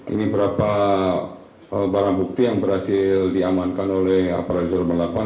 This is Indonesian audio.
ini beberapa barang bukti yang berhasil diamankan oleh aparajur belapan